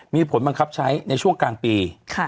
มีผลบังคับใช้ในช่วงกลางปี